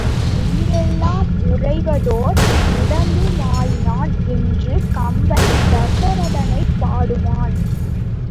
உயிரெலாம் உறைவதோர் உடம்புமாயினான் என்று கம்பன் தசரதனைப் பாடுவான்!